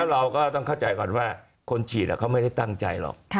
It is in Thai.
เราก็ต้องเข้าใจก่อนว่าคนฉีดเขาไม่ได้ตั้งใจหรอก